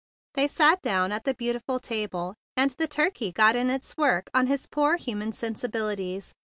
They sat down at the beautiful table, and the turkey got in its work on his poor human sensibilities.